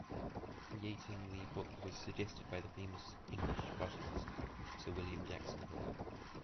Creating the book was suggested by the famous English botanist Sir William Jackson Hooker.